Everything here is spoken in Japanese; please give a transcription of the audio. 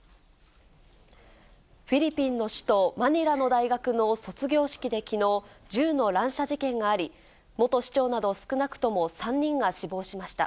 フィリピンの首都マニラの大学の卒業式できのう、銃の乱射事件があり、元市長など少なくとも３人が死亡しました。